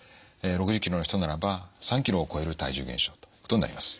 ６０キロの人ならば３キロを超える体重減少ということになります。